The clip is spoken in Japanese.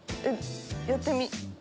やってみて。